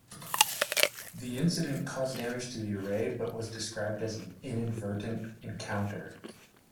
The incident caused damage to the array but was described as an "inadvertent encounter".